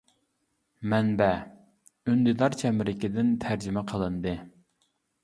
مەنبە : ئۈندىدار چەمبىرىكىدىن تەرجىمە قىلىندى.